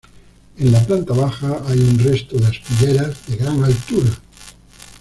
En la planta baja hay un resto de aspilleras de gran altura.